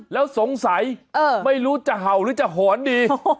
แล้วสงสัยไม่รู้จะเห่าหรือจะหอนดี